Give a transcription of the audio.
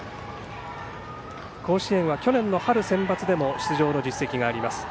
甲子園は去年の春センバツでも出場の実績があります。